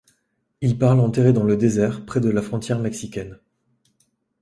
Il part l'enterrer dans le désert, près de la frontière mexicaine.